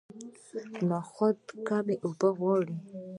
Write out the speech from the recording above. نخود کمې اوبه غواړي.